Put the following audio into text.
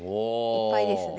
いっぱいですね。